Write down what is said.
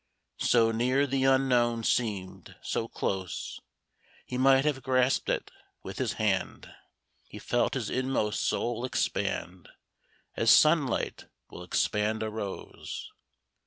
So near the Unknown seemed, so close He might have grasped it with his hand. He felt his inmost soul expand, As sunlight will expand a rose.